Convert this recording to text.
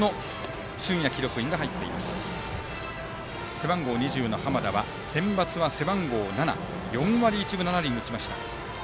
背番号２０の濱田はセンバツは背番号７で４割１分７厘打ちました。